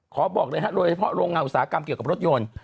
บอกเลยฮะโดยเฉพาะโรงงานอุตสาหกรรมเกี่ยวกับรถยนต์